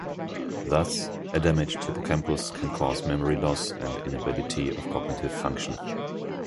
Thus, a damaged hippocampus can cause memory loss and inability of cognitive function.